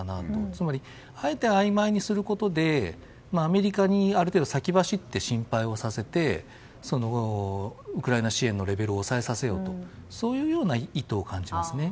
つまりあえて曖昧にすることでアメリカにある程度先走って心配をさせてウクライナ支援のレベルを抑えさせようとそういうような意図を感じますね。